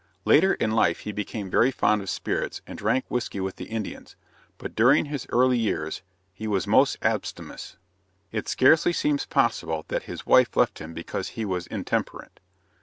Later in life he became very fond of spirits and drank whisky with the Indians, but during his earlier years he was most abstemious. It scarcely seems possible that his wife left him because he was intemperate.